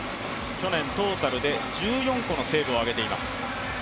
去年トータルで１４個のセーブを挙げています。